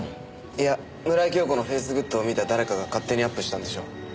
いや村井今日子のフェイスグッドを見た誰かが勝手にアップしたんでしょう。